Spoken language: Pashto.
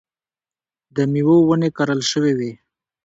د مېوو ونې کرل شوې وې.